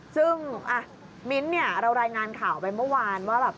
ซึ่งมิ้นท์เนี่ยเรารายงานข่าวไปเมื่อวานว่าแบบ